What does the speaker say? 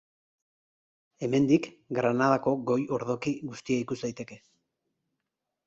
Hemendik, Granadako goi ordoki guztia ikus daiteke.